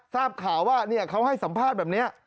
ทราบข่าวว่าเขาให้สัมภาษณ์แบบนี้